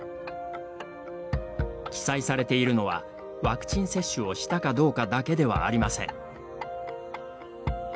記載されているのはワクチン接種をしたかどうかだけではありません。